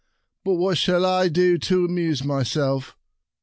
" But what shall I do to amuse my self?"